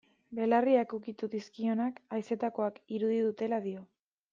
Belarriak ukitu dizkionak, haizetakoak irudi dutela dio.